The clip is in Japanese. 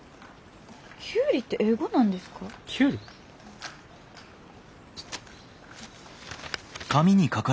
きゅうりって英語なんですか？